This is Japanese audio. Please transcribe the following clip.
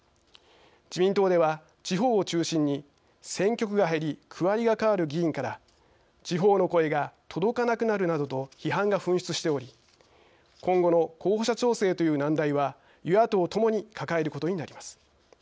自民党では、地方を中心に選挙区が減り区割りが変わる議員から「地方の声が届かなくなる」などと批判が噴出しており今後の候補者調整という難題は与野党ともに抱えることになります。